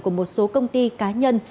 của một số công ty cá nhân